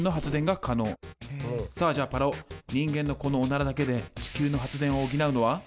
さあじゃあパラオ人間のこのオナラだけで地球の発電を補うのは？